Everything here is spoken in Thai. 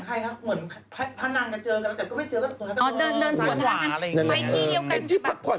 หนังก็มีหนังไข้ครับเหมือนพาหนังกันเจอกันแต่ก็ไม่เจอกัน